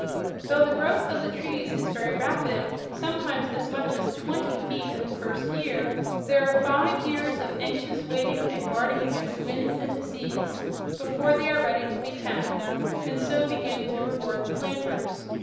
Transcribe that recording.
Though the growth of the trees is very rapid, sometimes as much as twenty feet in the first year, there are five years of anxious waiting and guarding against winds and disease before they are ready to be tapped and so begin to reward the planters.